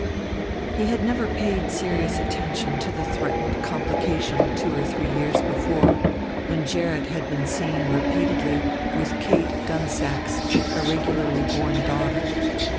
He had never paid serious attention to the threatened complication two or three years before, when Gerrit had been seen repeatedly with Kate Dunsack's irregularly born daughter.